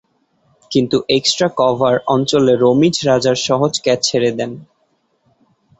কিন্তু extra cover অঞ্চলে রমিজ রাজা’র সহজ ক্যাচ ছেড়ে দেন।